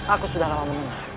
aku sudah lama menunggu